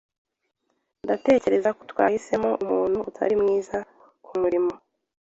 Ndatekereza ko twahisemo umuntu utari mwiza kumurimo.